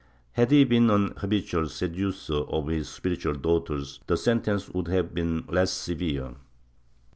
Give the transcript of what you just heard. Had he been an habitual seducer of his spiritual daughters, the sentence would have been less severe.